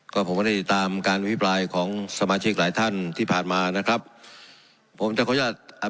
ก็ผมก็ได้ติดตามการอภิปรายของสมาชิกหลายท่านที่ผ่านมานะครับผมจะขออนุญาตอ่า